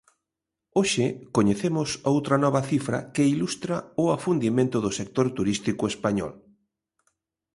Hoxe coñecemos outra nova cifra que ilustra o afundimento do sector turístico español.